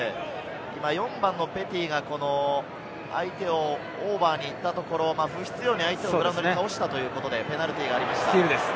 ４番のペティが相手をオーバーに行ったところ、不必要に相手を倒したというところでペナルティーがありました。